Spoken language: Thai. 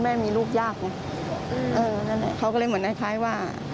แม่มีลูกยากเออนั้นแหละนั้นเค้าเรียกเหมือนข้างว่า